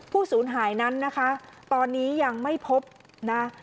ศูนย์หายนั้นนะคะตอนนี้ยังไม่พบนะ